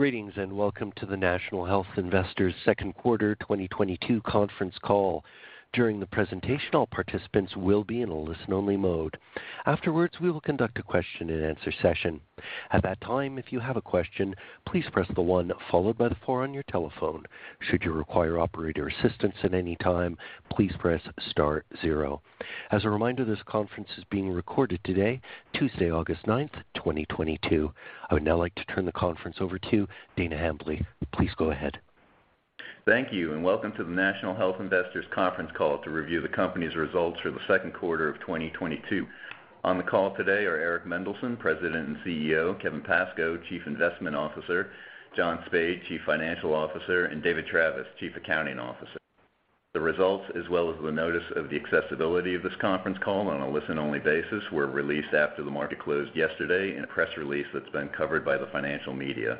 Greetings, and welcome to the National Health Investors Second Quarter 2022 Conference Call. During the presentation, all participants will be in a listen-only mode. Afterwards, we will conduct a question-and-answer session. At that time, if you have a question, please press the one followed by four on your telephone. Should you require operator assistance at any time, please press star zero. As a reminder, this conference is being recorded today, Tuesday, August 9th, 2022. I would now like to turn the conference over to Dana Hambly. Please go ahead. Thank you, and welcome to the National Health Investors conference call to review the company's results for the second quarter of 2022. On the call today are Eric Mendelsohn, President and CEO, Kevin Pascoe, Chief Investment Officer, John Spaid, Chief Financial Officer, and David Travis, Chief Accounting Officer. The results, as well as the notice of the accessibility of this conference call on a listen-only basis, were released after the market closed yesterday in a press release that's been covered by the financial media.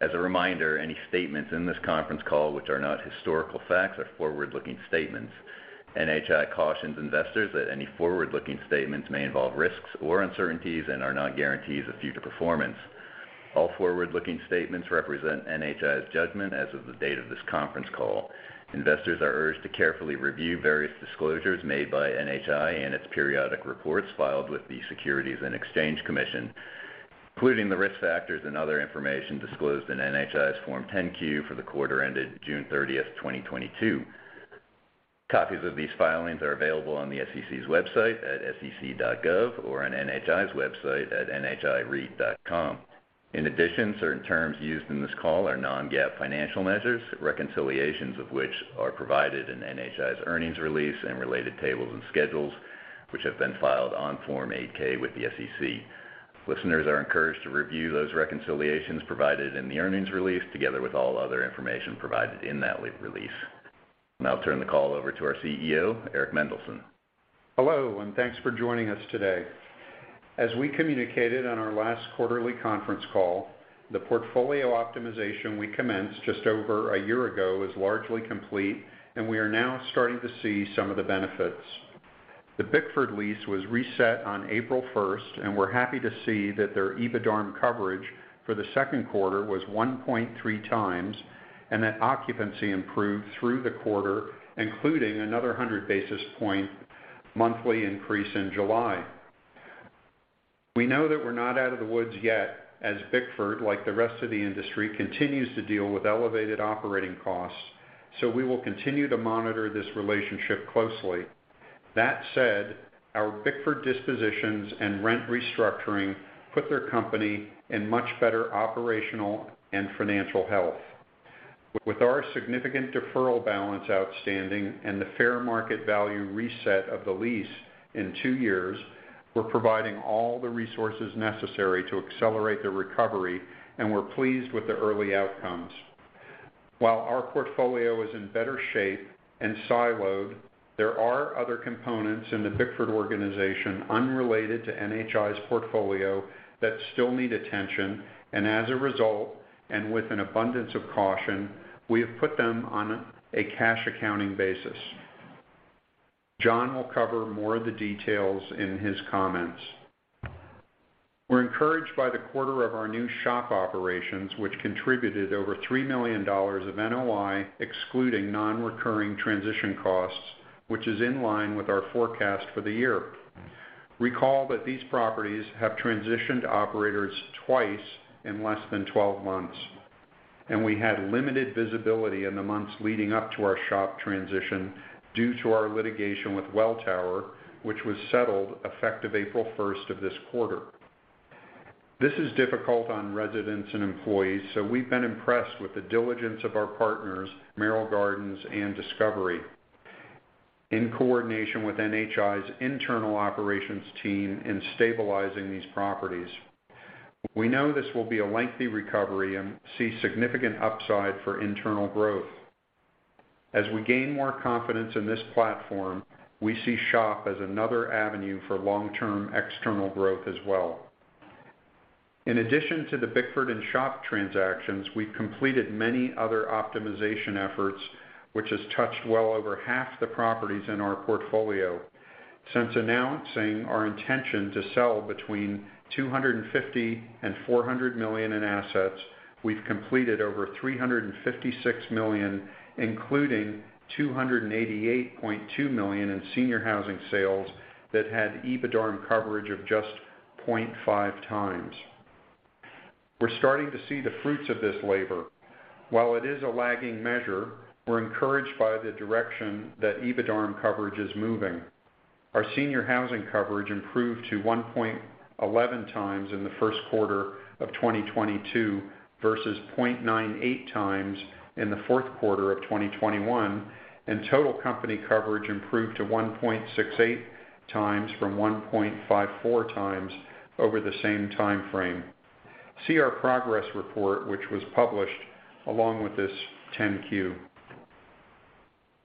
As a reminder, any statements in this conference call which are not historical facts are forward-looking statements. NHI cautions investors that any forward-looking statements may involve risks or uncertainties and are not guarantees of future performance. All forward-looking statements represent NHI's judgment as of the date of this conference call. Investors are urged to carefully review various disclosures made by NHI in its periodic reports filed with the Securities and Exchange Commission, including the risk factors and other information disclosed in NHI's Form 10-Q for the quarter ended June 30th, 2022. Copies of these filings are available on the SEC's website at sec.gov or on NHI's website at nhireit.com. In addition, certain terms used in this call are non-GAAP financial measures, reconciliations of which are provided in NHI's earnings release and related tables and schedules, which have been filed on Form 8-K with the SEC. Listeners are encouraged to review those reconciliations provided in the earnings release together with all other information provided in that release. Now I'll turn the call over to our CEO, Eric Mendelsohn. Hello, and thanks for joining us today. As we communicated on our last quarterly conference call, the portfolio optimization we commenced just over a year ago is largely complete, and we are now starting to see some of the benefits. The Bickford lease was reset on April 1st, and we're happy to see that their EBITDARM coverage for the second quarter was 1.3x and that occupancy improved through the quarter, including another 100 basis points monthly increase in July. We know that we're not out of the woods yet, as Bickford, like the rest of the industry, continues to deal with elevated operating costs, so we will continue to monitor this relationship closely. That said, our Bickford dispositions and rent restructuring put their company in much better operational and financial health. With our significant deferral balance outstanding and the fair market value reset of the lease in two years, we're providing all the resources necessary to accelerate the recovery, and we're pleased with the early outcomes. While our portfolio is in better shape and siloed, there are other components in the Bickford organization unrelated to NHI's portfolio that still need attention. As a result, and with an abundance of caution, we have put them on a cash accounting basis. John will cover more of the details in his comments. We're encouraged by the quarter of our new SHOP operations, which contributed over $3 million of NOI, excluding non-recurring transition costs, which is in line with our forecast for the year. Recall that these properties have transitioned operators twice in less than 12 months, and we had limited visibility in the months leading up to our SHOP transition due to our litigation with Welltower, which was settled effective April 1st of this quarter. This is difficult on residents and employees, so we've been impressed with the diligence of our partners, Merrill Gardens and Discovery, in coordination with NHI's internal operations team in stabilizing these properties. We know this will be a lengthy recovery and see significant upside for internal growth. As we gain more confidence in this platform, we see SHOP as another avenue for long-term external growth as well. In addition to the Bickford and SHOP transactions, we've completed many other optimization efforts, which has touched well over half the properties in our portfolio. Since announcing our intention to sell between $250 million and $400 million in assets, we've completed over $356 million, including $288.2 million in senior housing sales that had EBITDARM coverage of just 0.5x. We're starting to see the fruits of this labor. While it is a lagging measure, we're encouraged by the direction that EBITDARM coverage is moving. Our senior housing coverage improved to 1.11x in the first quarter of 2022 versus 0.98x in the fourth quarter of 2021, and total company coverage improved to 1.68x from 1.54x over the same time frame. See our progress report, which was published along with this 10-Q.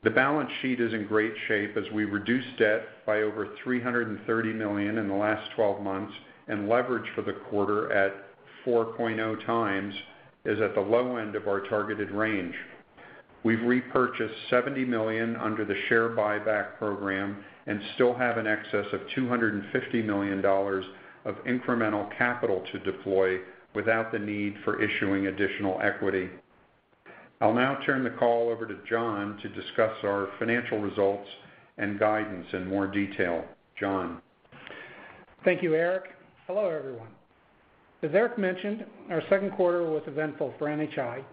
The balance sheet is in great shape as we reduced debt by over $330 million in the last 12 months, and leverage for the quarter at 4.0x is at the low end of our targeted range. We've repurchased $70 million under the share buyback program and still have an excess of $250 million of incremental capital to deploy without the need for issuing additional equity. I'll now turn the call over to John to discuss our financial results and guidance in more detail. John. Thank you, Eric. Hello, everyone. As Eric mentioned, our second quarter was eventful for NHI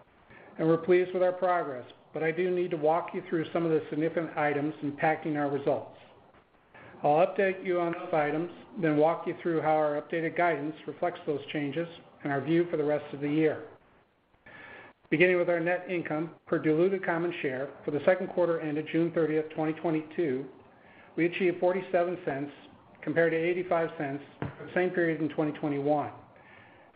and we're pleased with our progress, but I do need to walk you through some of the significant items impacting our results. I'll update you on those items, then walk you through how our updated guidance reflects those changes and our view for the rest of the year. Beginning with our net income per diluted common share for the second quarter ended June 30th, 2022, we achieved $0.47 compared to $0.85 for the same period in 2021,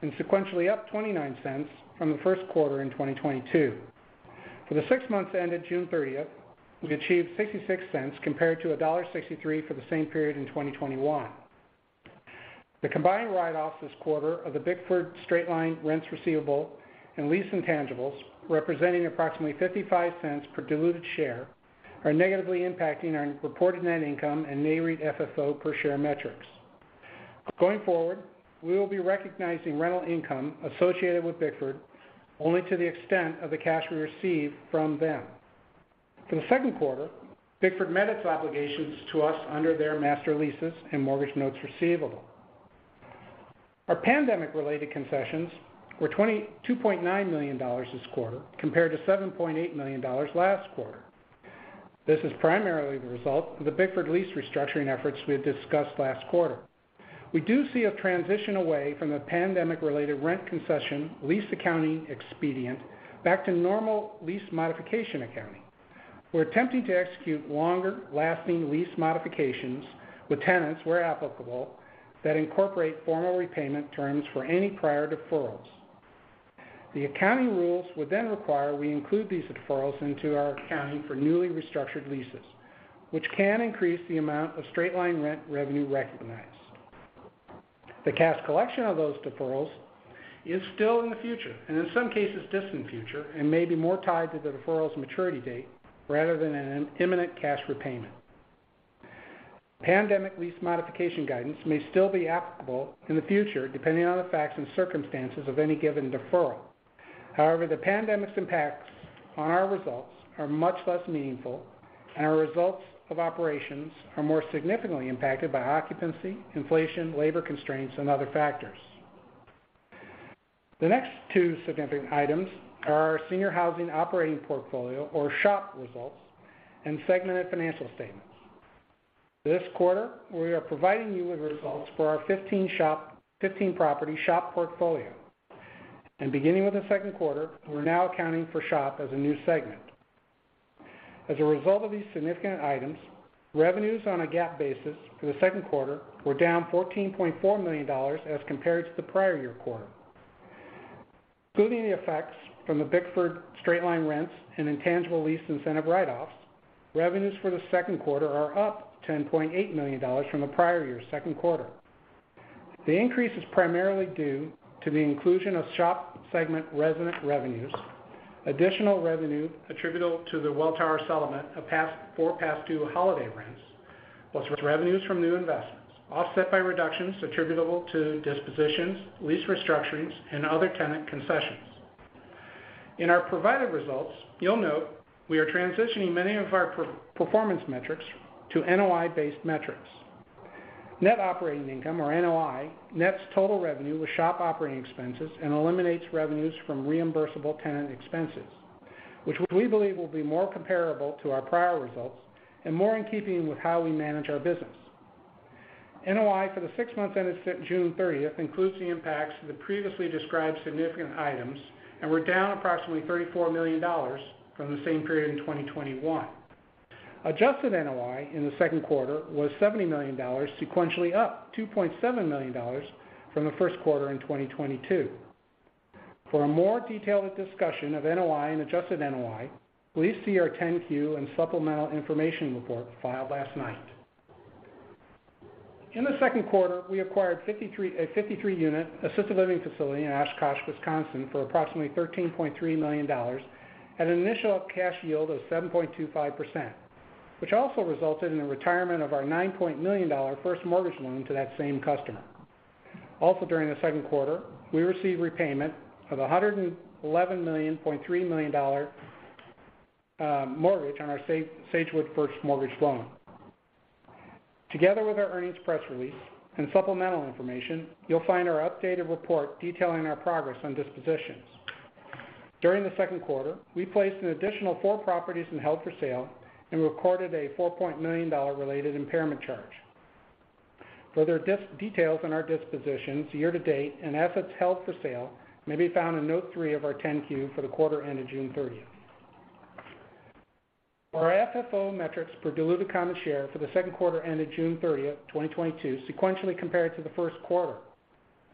and sequentially up $0.29 from the first quarter in 2022. For the six months ended June 30th, we achieved $0.66 compared to $1.63 for the same period in 2021. The combined write-offs this quarter of the Bickford straight-line rents receivable and lease intangibles, representing approximately $0.55 per diluted share, are negatively impacting our reported net income and NAREIT FFO per share metrics. Going forward, we will be recognizing rental income associated with Bickford only to the extent of the cash we receive from them. For the second quarter, Bickford met its obligations to us under their master leases and mortgage notes receivable. Our pandemic-related concessions were $22.9 million this quarter, compared to $7.8 million last quarter. This is primarily the result of the Bickford lease restructuring efforts we had discussed last quarter. We do see a transition away from the pandemic-related rent concession lease accounting expedient back to normal lease modification accounting. We're attempting to execute longer-lasting lease modifications with tenants, where applicable, that incorporate formal repayment terms for any prior deferrals. The accounting rules would then require we include these deferrals into our accounting for newly restructured leases, which can increase the amount of straight-line rent revenue recognized. The cash collection of those deferrals is still in the future, and in some cases, distant future, and may be more tied to the deferral's maturity date rather than an imminent cash repayment. Pandemic lease modification guidance may still be applicable in the future, depending on the facts and circumstances of any given deferral. However, the pandemic's impacts on our results are much less meaningful, and our results of operations are more significantly impacted by occupancy, inflation, labor constraints, and other factors. The next two significant items are our senior housing operating portfolio, or SHOP results, and segmented financial statements. This quarter, we are providing you with results for our 15-property SHOP portfolio. Beginning with the second quarter, we're now accounting for SHOP as a new segment. As a result of these significant items, revenues on a GAAP basis for the second quarter were down $14.4 million as compared to the prior year quarter. Excluding the effects from the Bickford straight-line rents and intangible lease incentive write-offs, revenues for the second quarter are up $10.8 million from the prior year second quarter. The increase is primarily due to the inclusion of SHOP segment resident revenues, additional revenue attributable to the Welltower settlement for past-due Holiday rents, plus revenues from new investments, offset by reductions attributable to dispositions, lease restructurings, and other tenant concessions. In our provided results, you'll note we are transitioning many of our performance metrics to NOI-based metrics. Net operating income, or NOI, nets total revenue with SHOP operating expenses and eliminates revenues from reimbursable tenant expenses, which we believe will be more comparable to our prior results and more in keeping with how we manage our business. NOI for the six months ended June 30th includes the impacts of the previously described significant items and were down approximately $34 million from the same period in 2021. Adjusted NOI in the second quarter was $70 million, sequentially up $2.7 million from the first quarter in 2022. For a more detailed discussion of NOI and adjusted NOI, please see our 10-Q and supplemental information report filed last night. In the second quarter, we acquired a 53-unit assisted living facility in Oshkosh, Wisconsin, for approximately $13.3 million at an initial cash yield of 7.25%, which also resulted in the retirement of our $9 million first mortgage loan to that same customer. During the second quarter, we received repayment of a $111.3 million mortgage on our Sagewood first mortgage loan. Together with our earnings press release and supplemental information, you'll find our updated report detailing our progress on dispositions. During the second quarter, we placed an additional four properties in held for sale and recorded a $4 million-related impairment charge. Further details on our dispositions year to date and assets held for sale may be found in Note 3 of our 10-Q for the quarter ended June 30th. Our FFO metrics per diluted common share for the second quarter ended June 30th, 2022, sequentially compared to the first quarter.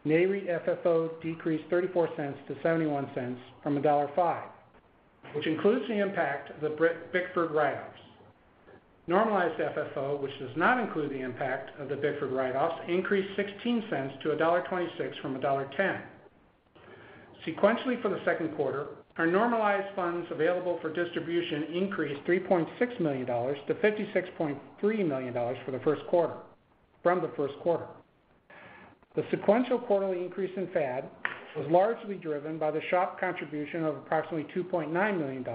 NAREIT FFO decreased $0.34-$0.71 from $1.05, which includes the impact of the Bickford write-offs. Normalized FFO, which does not include the impact of the Bickford write-offs, increased $0.16-$1.26 from $1.10. Sequentially for the second quarter, our normalized funds available for distribution increased $3.6 million to $56.3 million from the first quarter. The sequential quarterly increase in FAD was largely driven by the SHOP contribution of approximately $2.9 million,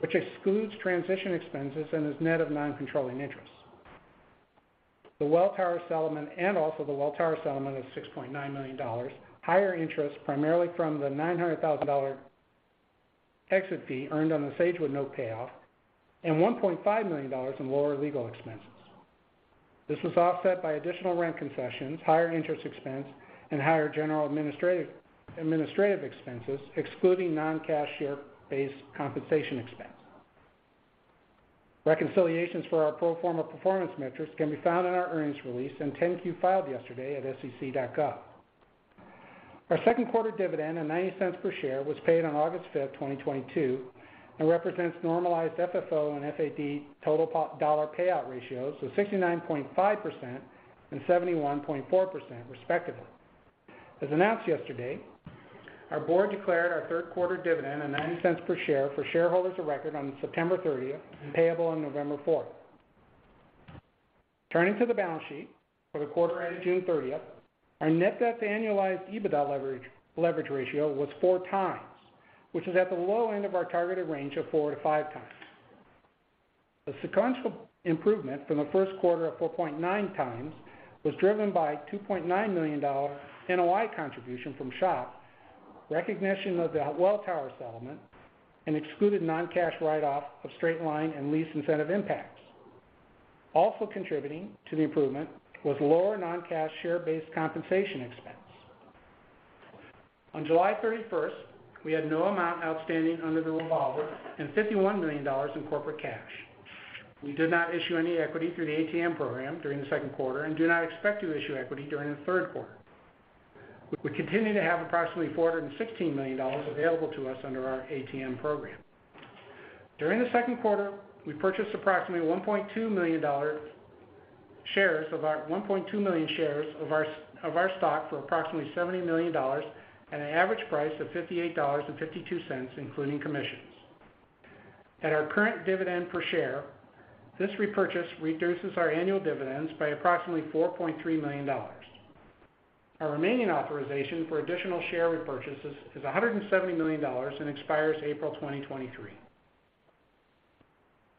which excludes transition expenses and is net of non-controlling interests. The Welltower settlement of $6.9 million, higher interest primarily from the $900,000 exit fee earned on the Sagewood note payoff, and $1.5 million in lower legal expenses. This was offset by additional rent concessions, higher interest expense, and higher general administrative expenses, excluding non-cash share-based compensation expense. Reconciliations for our pro forma performance metrics can be found in our earnings release and 10-Q filed yesterday at sec.gov. Our second quarter dividend of $0.90 per share was paid on August 5th, 2022, and represents normalized FFO and FAD total portfolio dollar payout ratios of 69.5% and 71.4% respectively. As announced yesterday, our board declared our third quarter dividend of $0.09 per share for shareholders of record on September 30th and payable on November 4th. Turning to the balance sheet for the quarter ending June 30, our net debt to annualized EBITDARM leverage ratio was 4x, which is at the low end of our targeted range of 4x-5x. The sequential improvement from the first quarter of 4.9x was driven by $2.9 million NOI contribution from SHOP, recognition of the Welltower settlement, and the exclusion of non-cash write-off of straight-line and lease incentive impacts. Also contributing to the improvement was lower non-cash share-based compensation expense. On July 31st, we had no amount outstanding under the revolver and $51 million in corporate cash. We did not issue any equity through the ATM program during the second quarter and do not expect to issue equity during the third quarter. We continue to have approximately $416 million available to us under our ATM program. During the second quarter, we purchased approximately 1.2 million shares of our stock for approximately $70 million at an average price of $58.52, including commissions. At our current dividend per share, this repurchase reduces our annual dividends by approximately $4.3 million. Our remaining authorization for additional share repurchases is $170 million and expires April 2023.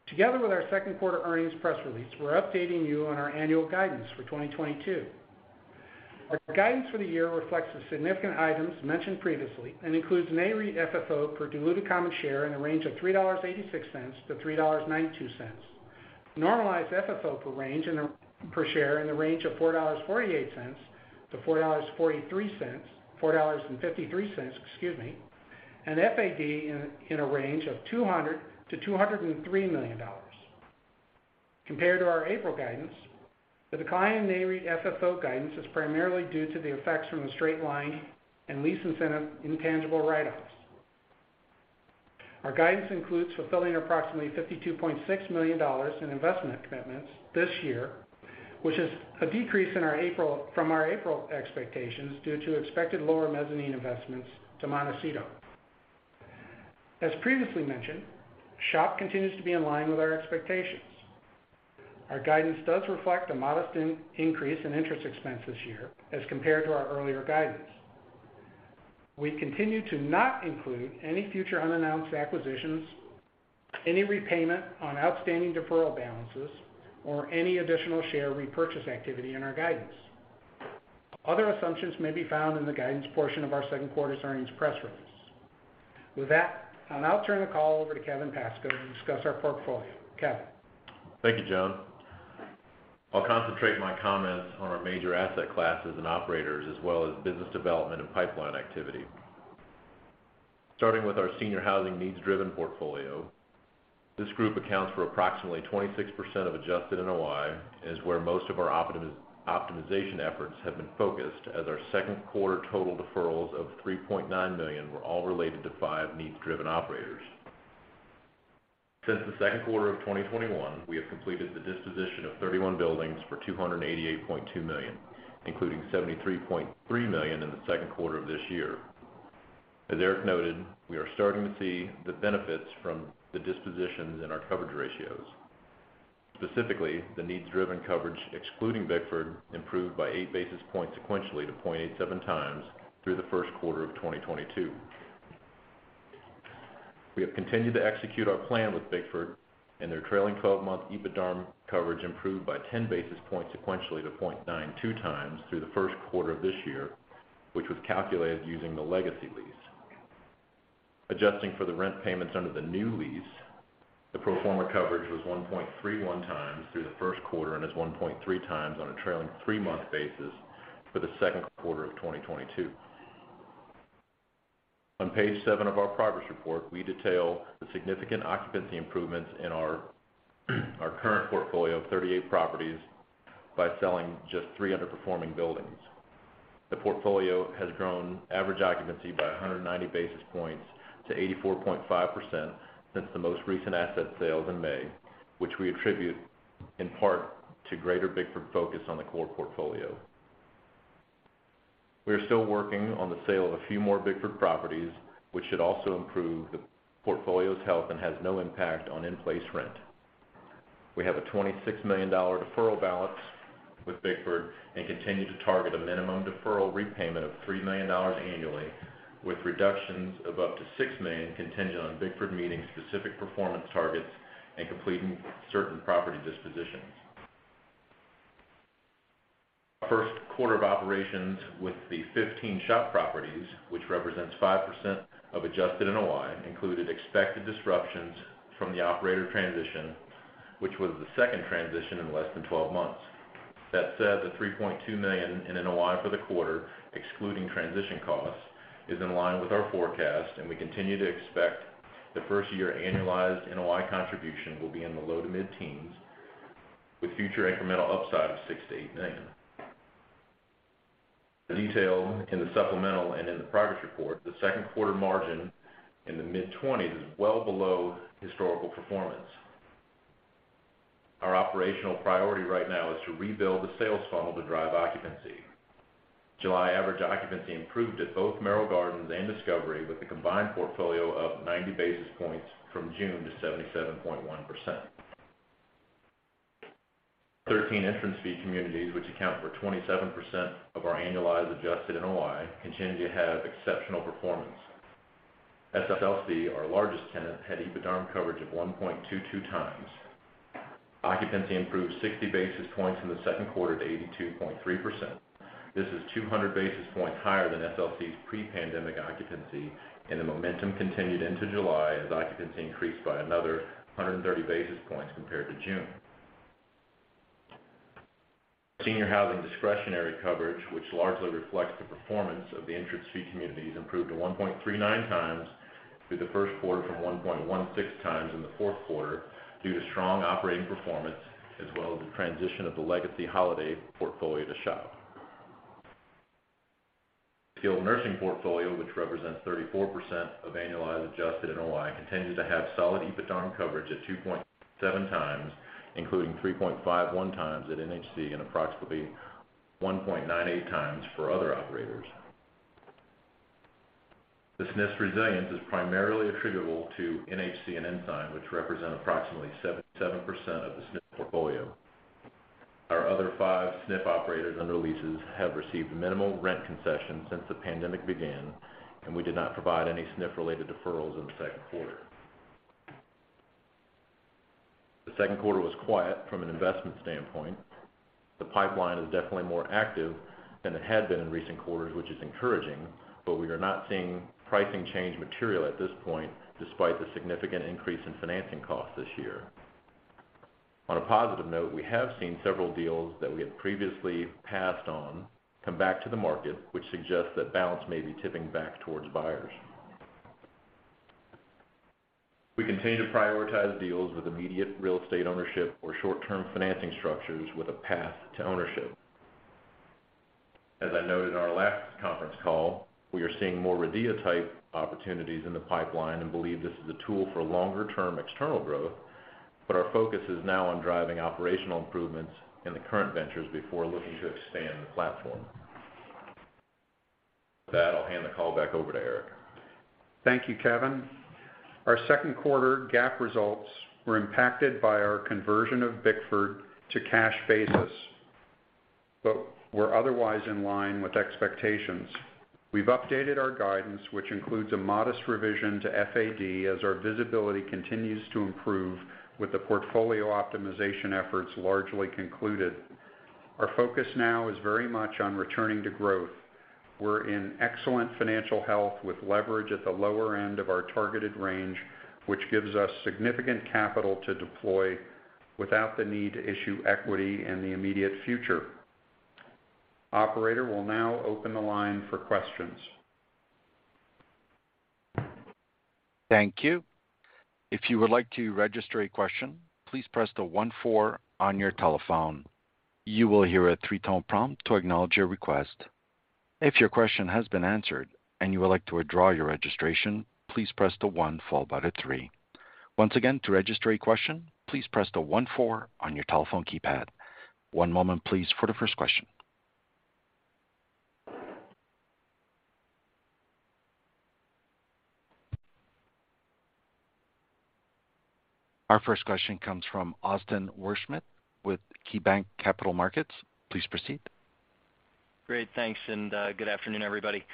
Together with our second quarter earnings press release, we're updating you on our annual guidance for 2022. Our guidance for the year reflects the significant items mentioned previously and includes NAREIT FFO per diluted common share in the range of $3.86-$3.92. Normalized FFO per share in the range of $4.48-$4.53, excuse me, and FAD in a range of $200 million-$203 million. Compared to our April guidance, the decline in NAREIT FFO guidance is primarily due to the effects from the straight-line and lease incentive intangible write-offs. Our guidance includes fulfilling approximately $52.6 million in investment commitments this year, which is a decrease from our April expectations due to expected lower mezzanine investments to Montecito. As previously mentioned, SHOP continues to be in line with our expectations. Our guidance does reflect a modest increase in interest expense this year as compared to our earlier guidance. We continue to not include any future unannounced acquisitions, any repayment on outstanding deferral balances, or any additional share repurchase activity in our guidance. Other assumptions may be found in the guidance portion of our second quarter's earnings press release. With that, I'll now turn the call over to Kevin Pascoe to discuss our portfolio. Kevin? Thank you, John. I'll concentrate my comments on our major asset classes and operators, as well as business development and pipeline activity. Starting with our senior housing needs driven portfolio, this group accounts for approximately 26% of adjusted NOI and is where most of our optimization efforts have been focused as our second quarter total deferrals of $3.9 million were all related to five needs driven operators. Since the second quarter of 2021, we have completed the disposition of 31 buildings for $288.2 million, including $73.3 million in the second quarter of this year. As Eric noted, we are starting to see the benefits from the dispositions in our coverage ratios. Specifically, the needs driven coverage excluding Bickford improved by 8 basis points sequentially to 0.87x through the first quarter of 2022. We have continued to execute our plan with Bickford, and their trailing twelve-month EBITDARM coverage improved by 10 basis points sequentially to 0.92x through the first quarter of this year, which was calculated using the legacy lease. Adjusting for the rent payments under the new lease, the pro forma coverage was 1.31x through the first quarter and is 1.3x on a trailing three-month basis for the second quarter of 2022. On page 7 of our progress report, we detail the significant occupancy improvements in our current portfolio of 38 properties by selling just three underperforming buildings. The portfolio has grown average occupancy by 190 basis points to 84.5% since the most recent asset sales in May, which we attribute in part to greater Bickford focus on the core portfolio. We are still working on the sale of a few more Bickford properties, which should also improve the portfolio's health and has no impact on in-place rent. We have a $26 million deferral balance with Bickford and continue to target a minimum deferral repayment of $3 million annually, with reductions of up to $6 million contingent on Bickford meeting specific performance targets and completing certain property dispositions. First quarter of operations with the 15 SHOP properties, which represents 5% of adjusted NOI, included expected disruptions from the operator transition, which was the second transition in less than 12 months. That said, the $3.2 million in NOI for the quarter, excluding transition costs, is in line with our forecast, and we continue to expect the first-year annualized NOI contribution will be in the low to mid-teens, with future incremental upside of $6 million-$8 million. The detail in the supplemental and in the progress report, the second quarter margin in the mid-20% is well below historical performance. Our operational priority right now is to rebuild the sales funnel to drive occupancy. July average occupancy improved at both Merrill Gardens and Discovery with the combined portfolio of 90 basis points from June to 77.1%. 13 Entrance Fee communities, which account for 27% of our annualized adjusted NOI, continue to have exceptional performance. SLC, our largest tenant, had EBITDARM coverage of 1.22x. Occupancy improved 60 basis points in the second quarter to 82.3%. This is 200 basis points higher than SLC's pre-pandemic occupancy, and the momentum continued into July as occupancy increased by another 130 basis points compared to June. Senior housing discretionary coverage, which largely reflects the performance of the Entrance Fee communities, improved to 1.39x through the first quarter from 1.16x in the fourth quarter due to strong operating performance as well as the transition of the legacy Holiday portfolio to SHOP. Skilled nursing portfolio, which represents 34% of annualized adjusted NOI, continues to have solid EBITDARM coverage at 2.7x, including 3.51x at NHC and approximately 1.98x for other operators. The SNF resilience is primarily attributable to NHC and Ensign, which represent approximately 77% of the SNF portfolio. Our other five SNF operators under leases have received minimal rent concessions since the pandemic began, and we did not provide any SNF-related deferrals in the second quarter. The second quarter was quiet from an investment standpoint. The pipeline is definitely more active than it had been in recent quarters, which is encouraging, but we are not seeing pricing change material at this point despite the significant increase in financing costs this year. On a positive note, we have seen several deals that we had previously passed on come back to the market, which suggests that balance may be tipping back towards buyers. We continue to prioritize deals with immediate real estate ownership or short-term financing structures with a path to ownership. As I noted in our last conference call, we are seeing more RIDEA-type opportunities in the pipeline and believe this is a tool for longer-term external growth, but our focus is now on driving operational improvements in the current ventures before looking to expand the platform. With that, I'll hand the call back over to Eric. Thank you, Kevin. Our second quarter GAAP results were impacted by our conversion of Bickford to cash basis, but were otherwise in line with expectations. We've updated our guidance, which includes a modest revision to FAD as our visibility continues to improve with the portfolio optimization efforts largely concluded. Our focus now is very much on returning to growth. We're in excellent financial health with leverage at the lower end of our targeted range, which gives us significant capital to deploy without the need to issue equity in the immediate future. Operator, we'll now open the line for questions. Thank you. If you would like to register a question, please press star one-four on your telephone. You will hear a three-tone prompt to acknowledge your request. If your question has been answered and you would like to withdraw your registration, please press one followed by three. Once again, to register a question, please press star one-four on your telephone keypad. One moment, please, for the first question. Our first question comes from Austin Wurschmidt with KeyBanc Capital Markets. Please proceed. Great. Thanks, and good afternoon, everybody.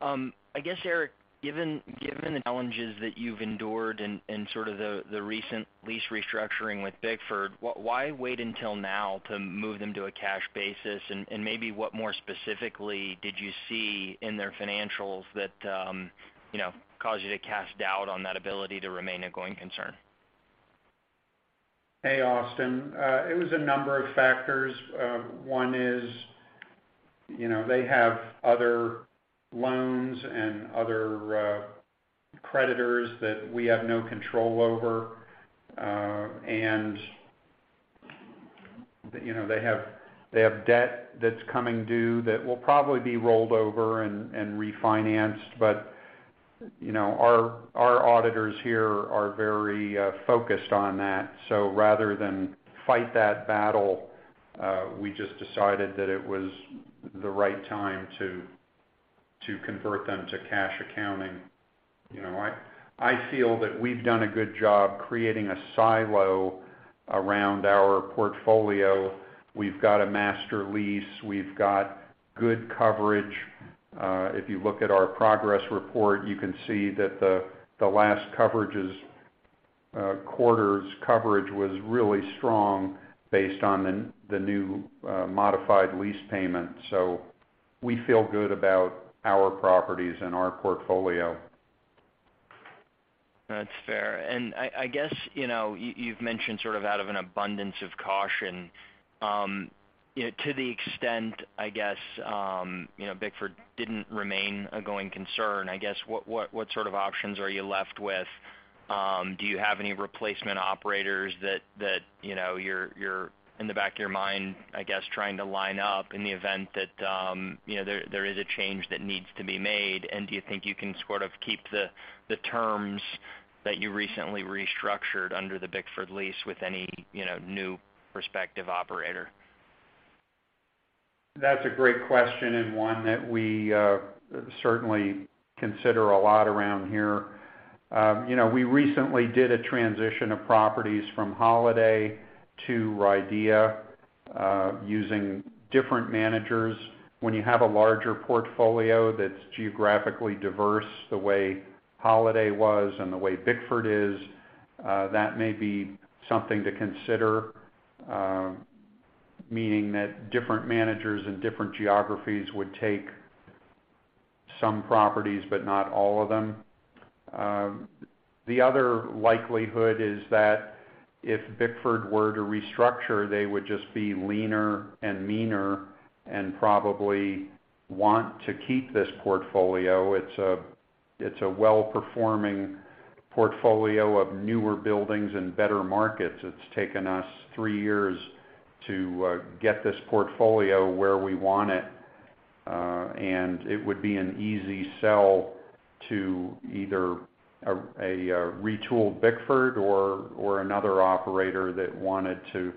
I guess, Eric, given the challenges that you've endured in sort of the recent lease restructuring with Bickford, why wait until now to move them to a cash basis? Maybe what more specifically did you see in their financials that, you know, caused you to cast doubt on that ability to remain a going concern? Hey, Austin. It was a number of factors. One is, you know, they have other loans and other creditors that we have no control over. You know, they have debt that's coming due that will probably be rolled over and refinanced. You know, our auditors here are very focused on that. Rather than fight that battle, we just decided that it was the right time to convert them to cash accounting. You know, I feel that we've done a good job creating a silo around our portfolio. We've got a master lease, we've got good coverage. If you look at our progress report, you can see that the last quarter's coverage was really strong based on the new modified lease payment. So, we feel good about our properties and our portfolio. That's fair. I guess, you know, you've mentioned sort of out of an abundance of caution. You know, to the extent, I guess, you know, Bickford didn't remain a going concern, I guess, what sort of options are you left with? Do you have any replacement operators that you know you're in the back of your mind, I guess, trying to line up in the event that you know there is a change that needs to be made? Do you think you can sort of keep the terms that you recently restructured under the Bickford lease with any you know new prospective operator? That's a great question and one that we certainly consider a lot around here. You know, we recently did a transition of properties from Holiday to RIDEA, using different managers. When you have a larger portfolio that's geographically diverse the way Holiday was and the way Bickford is, that may be something to consider, meaning that different managers and different geographies would take some properties, but not all of them. The other likelihood is that if Bickford were to restructure, they would just be leaner and meaner and probably want to keep this portfolio. It's a well-performing portfolio of newer buildings and better markets. It's taken us three years to get this portfolio where we want it. It would be an easy sell to either a retooled Bickford or another operator that wanted to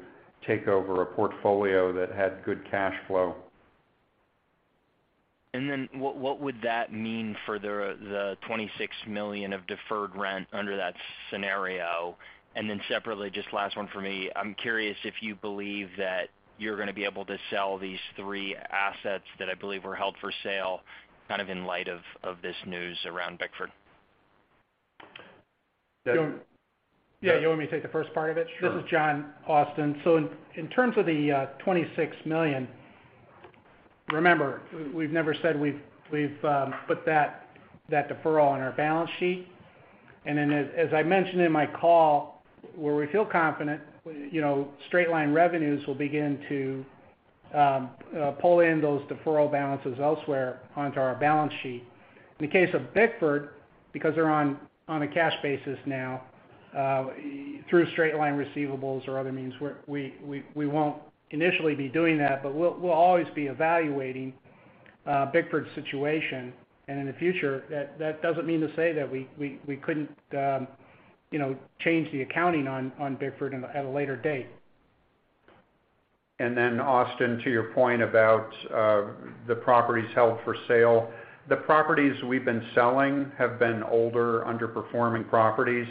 take over a portfolio that had good cash flow. What would that mean for the $26 million of deferred rent under that scenario? Separately, just last one for me. I'm curious if you believe that you're gonna be able to sell these three assets that I believe were held for sale, kind of in light of this news around Bickford. Yeah. Yeah. You want me to take the first part of it? Sure. This is John, Austin. In terms of the $26 million, remember, we've never said we've put that deferral on our balance sheet. As I mentioned in my call, where we feel confident, you know, straight-line revenues will begin to pull in those deferral balances elsewhere onto our balance sheet. In the case of Bickford, because they're on a cash basis now, through straight line receivables or other means, we won't initially be doing that, but we'll always be evaluating Bickford's situation. In the future, that doesn't mean to say that we couldn't, you know, change the accounting on Bickford at a later date. Austin, to your point about the properties held for sale. The properties we've been selling have been older, underperforming properties.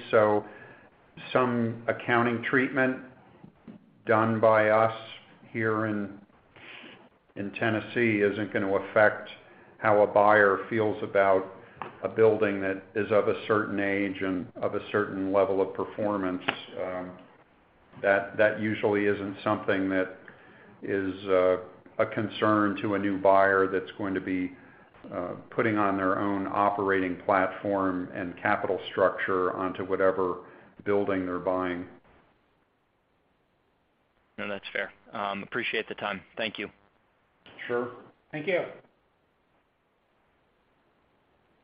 Some accounting treatment done by us here in Tennessee isn't gonna affect how a buyer feels about a building that is of a certain age and of a certain level of performance. That usually isn't something that is a concern to a new buyer that's going to be putting on their own operating platform and capital structure onto whatever building they're buying. No, that's fair. Appreciate the time. Thank you. Sure. Thank you.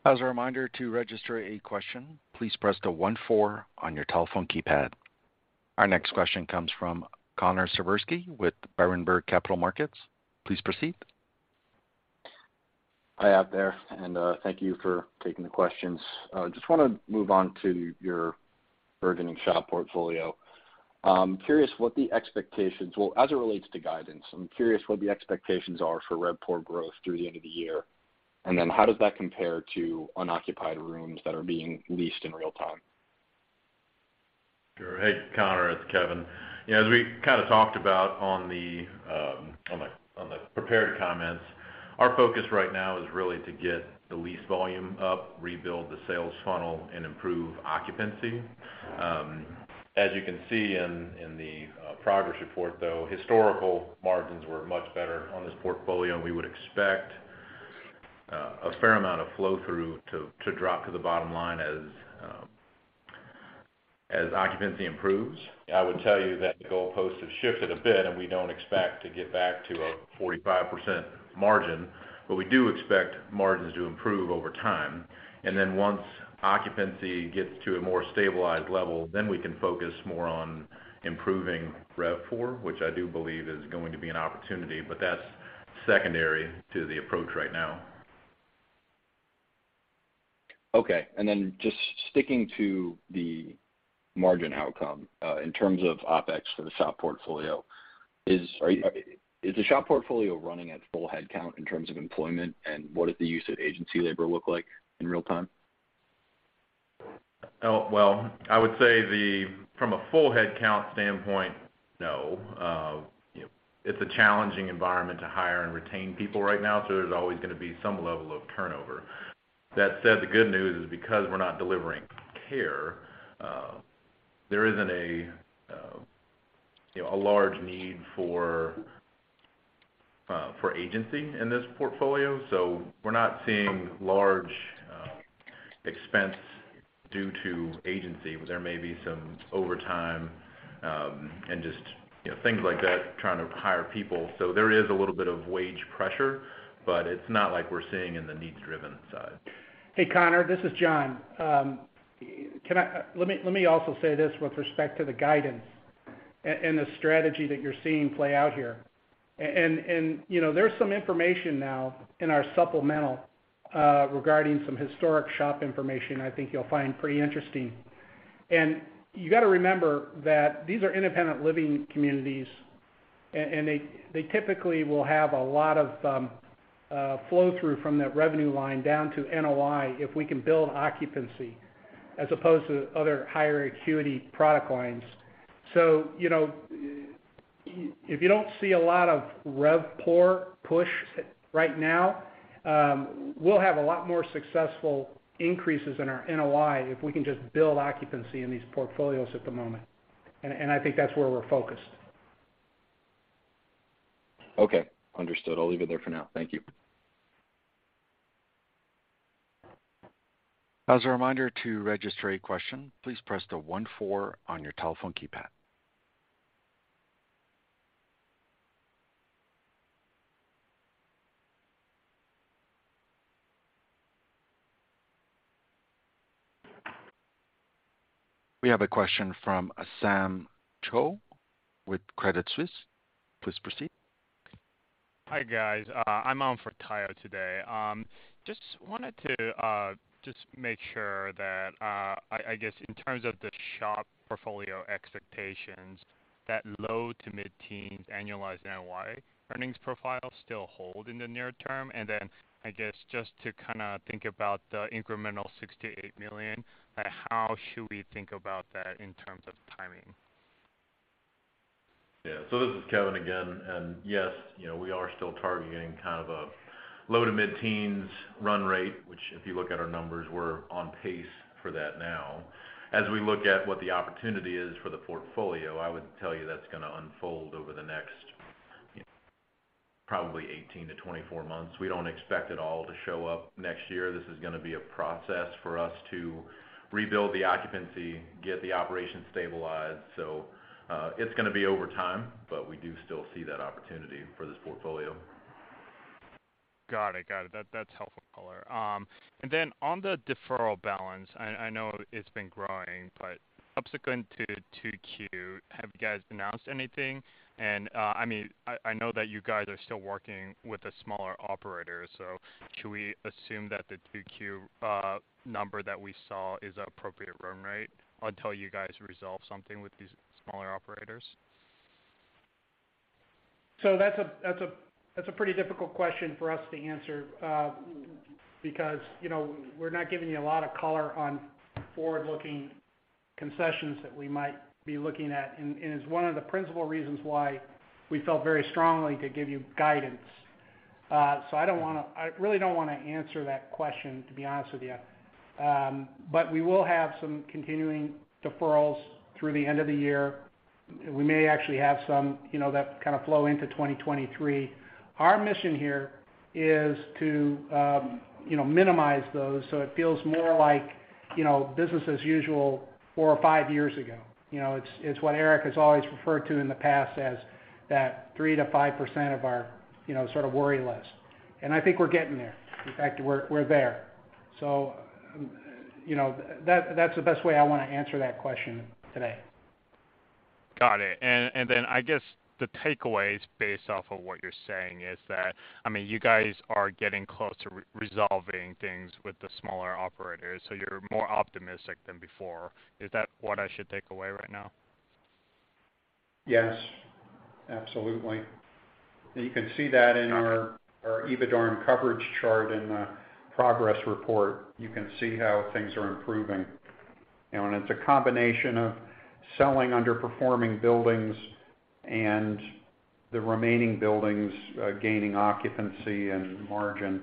As a reminder, to register a question, please press the one-four on your telephone keypad. Our next question comes from Connor Siversky with Berenberg Capital Markets. Please proceed. Hi out there, and thank you for taking the questions. Just wanna move on to your RIDEA and SHOP portfolio. Well, as it relates to guidance, I'm curious what the expectations are for RevPOR growth through the end of the year, and then how does that compare to unoccupied rooms that are being leased in real time? Sure. Hey, Connor, it's Kevin. Yeah, as we kind of talked about on the prepared comments, our focus right now is really to get the lease volume up, rebuild the sales funnel, and improve occupancy. As you can see in the progress report, though, historical margins were much better on this portfolio. We would expect a fair amount of flow through to drop to the bottom line as... As occupancy improves, I would tell you that the goalposts have shifted a bit, and we don't expect to get back to a 45% margin, but we do expect margins to improve over time. Once occupancy gets to a more stabilized level, then we can focus more on improving RevPOR, which I do believe is going to be an opportunity, but that's secondary to the approach right now. Okay. Just sticking to the margin outcome, in terms of OpEx for the SHOP portfolio, is the SHOP portfolio running at full headcount in terms of employment? And what does the use of agency labor look like in real time? Well, I would say from a full headcount standpoint, no. You know, it's a challenging environment to hire and retain people right now, so there's always gonna be some level of turnover. That said, the good news is because we're not delivering care, there isn't a large need for agency in this portfolio, so we're not seeing large expense due to agency. There may be some over time, and just, you know, things like that, trying to hire people. There is a little bit of wage pressure, but it's not like we're seeing in the needs-driven side. Hey, Connor, this is John. Let me also say this with respect to the guidance and the strategy that you're seeing play out here. You know, there's some information now in our supplemental regarding some historical SHOP information I think you'll find pretty interesting. You gotta remember that these are independent living communities, and they typically will have a lot of flow-through from that revenue line down to NOI if we can build occupancy as opposed to other higher acuity product lines. You know, if you don't see a lot of RevPOR push right now, we'll have a lot more successful increases in our NOI if we can just build occupancy in these portfolios at the moment. I think that's where we're focused. Okay. Understood. I'll leave it there for now. Thank you. As a reminder to register a question, please press the one-four on your telephone keypad. We have a question from Sam Choe with Credit Suisse. Please proceed. Hi, guys. I'm on for Tayo today. Just wanted to make sure that I guess in terms of the SHOP portfolio expectations, that low to mid-teens annualized NOI earnings profile still hold in the near term. Then I guess just to kinda think about the incremental $60 million-$80 million, how should we think about that in terms of timing? Yeah. This is Kevin again. Yes, you know, we are still targeting kind of a low to mid-teens run rate, which, if you look at our numbers, we're on pace for that now. As we look at what the opportunity is for the portfolio, I would tell you that's gonna unfold over the next probably 18-24 months. We don't expect it all to show up next year. This is gonna be a process for us to rebuild the occupancy, get the operation stabilized. It's gonna be over time, but we do still see that opportunity for this portfolio. Got it. That's helpful color. On the deferral balance, I know it's been growing, but subsequent to 2Q, have you guys announced anything? I mean, I know that you guys are still working with the smaller operators, so should we assume that the 2Q number that we saw is appropriate run rate until you guys resolve something with these smaller operators? That's a pretty difficult question for us to answer, because, you know, we're not giving you a lot of color on forward-looking concessions that we might be looking at. It's one of the principal reasons why we felt very strongly to give you guidance. I don't wanna. I really don't wanna answer that question, to be honest with you. We will have some continuing deferrals through the end of the year. We may actually have some, you know, that kind of flow into 2023. Our mission here is to, you know, minimize those, so it feels more like, you know, business as usual four or five years ago. You know, it's what Eric has always referred to in the past as that 3%-5% of our, you know, sort of worry list. I think we're getting there. In fact, we're there. You know, that's the best way I wanna answer that question today. Got it. I guess the takeaway is based off of what you're saying is that, I mean, you guys are getting close to re-resolving things with the smaller operators, so you're more optimistic than before. Is that what I should take away right now? Yes, absolutely. You can see that in our EBITDARM and coverage chart in the progress report, you can see how things are improving. You know, it's a combination of selling underperforming buildings and the remaining buildings gaining occupancy and margin.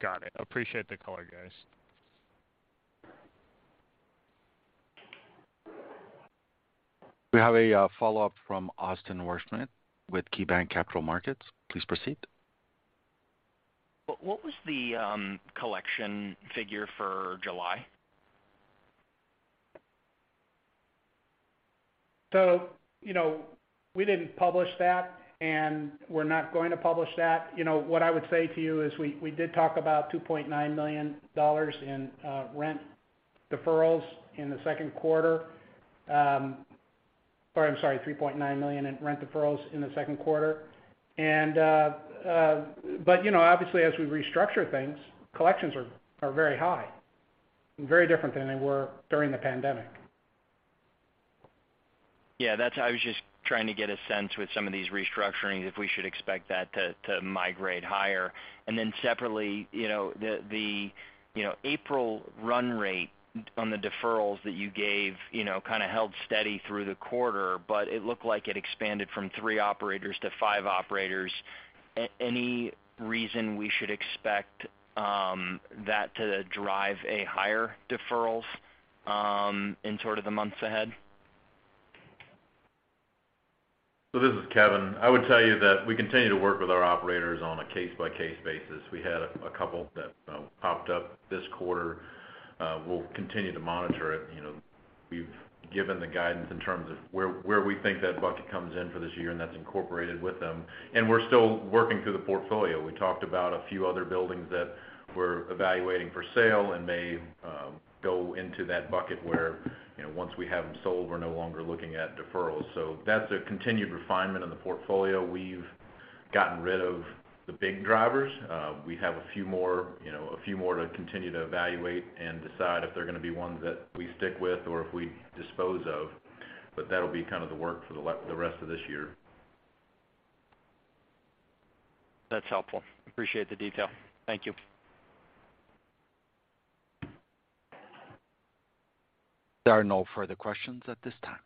Got it. Appreciate the color, guys. We have a follow-up from Austin Wurschmidt with KeyBanc Capital Markets. Please proceed. What was the collection figure for July? You know, we didn't publish that, and we're not going to publish that. You know, what I would say to you is we did talk about $2.9 million in rent deferrals in the second quarter. Or I'm sorry, $3.9 million in rent deferrals in the second quarter. But, you know, obviously, as we restructure things, collections are very high and very different than they were during the pandemic. Yeah, that's how I was just trying to get a sense with some of these restructurings if we should expect that to migrate higher. Separately, you know, the April run rate on the deferrals that you gave, you know, kind of held steady through the quarter, but it looked like it expanded from three operators to five operators. Any reason we should expect that to drive a higher deferrals in sort of the months ahead? This is Kevin. I would tell you that we continue to work with our operators on a case-by-case basis. We had a couple that popped up this quarter. We'll continue to monitor it. You know, we've given the guidance in terms of where we think that bucket comes in for this year, and that's incorporated with them. We're still working through the portfolio. We talked about a few other buildings that we're evaluating for sale and may go into that bucket where, you know, once we have them sold, we're no longer looking at deferrals. That's a continued refinement in the portfolio. We've gotten rid of the big drivers. We have a few more, you know, a few more to continue to evaluate and decide if they're gonna be ones that we stick with or if we dispose of, but that'll be kind of the work for the rest of this year. That's helpful. Appreciate the detail. Thank you. There are no further questions at this time.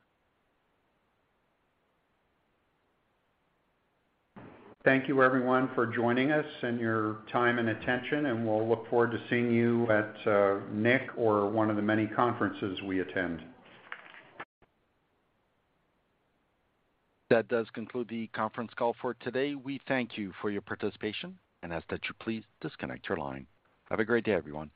Thank you everyone for joining us and your time and attention, and we'll look forward to seeing you at NIC or one of the many conferences we attend. That does conclude the conference call for today. We thank you for your participation and ask that you please disconnect your line. Have a great day, everyone.